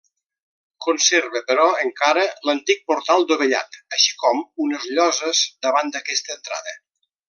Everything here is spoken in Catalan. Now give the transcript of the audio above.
Conserva però encara l'antic portal dovellat així com unes lloses davant d'aquesta entrada.